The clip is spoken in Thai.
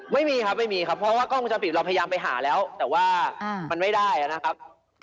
ไม่มีครับไม่มีครับเพราะว่ากล้องวงจรปิดเราพยายามไปหาแล้วแต่ว่ามันไม่ได้นะครับ